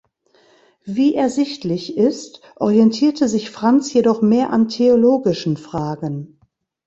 Wie ersichtlich ist, orientierte sich Franz jedoch mehr an theologischen Fragen.